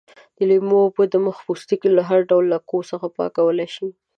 د لیمو اوبه د مخ پوستکی له هر ډول لکو څخه پاکولای شي.